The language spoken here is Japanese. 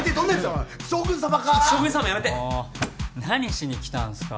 もう何しにきたんすか。